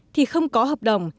thì không có hợp đồng